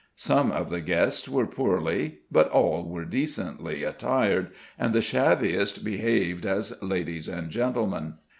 Some of the guests were poorly but all were decently attired, and the shabbiest behaved as ladies and gentlemen.